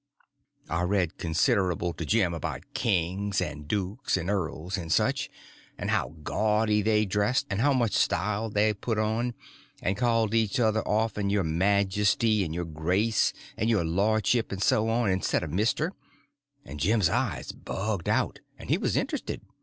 I read considerable to Jim about kings and dukes and earls and such, and how gaudy they dressed, and how much style they put on, and called each other your majesty, and your grace, and your lordship, and so on, 'stead of mister; and Jim's eyes bugged out, and he was interested.